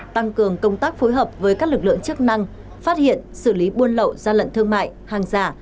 tăng cường công tác phối hợp với các lực lượng chức năng phát hiện xử lý buôn lậu gian lận thương mại hàng giả